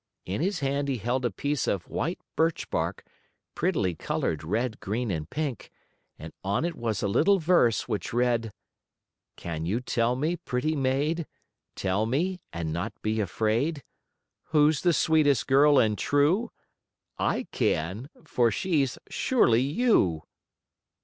In his hand he held a piece of white birch bark, prettily colored red, green and pink, and on it was a little verse which read: "Can you tell me, pretty maid, Tell me and not be afraid, Who's the sweetest girl, and true? I can; for she's surely you!"